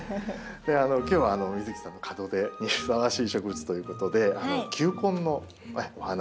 今日は美月さんの門出にふさわしい植物ということで球根のお花を用意しました。